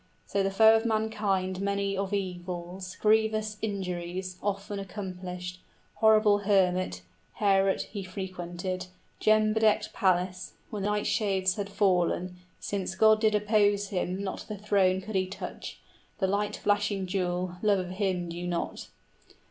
50 So the foe of mankind many of evils Grievous injuries, often accomplished, Horrible hermit; Heort he frequented, Gem bedecked palace, when night shades had fallen {God is against the monster.} (Since God did oppose him, not the throne could he touch, 55 The light flashing jewel, love of Him knew not).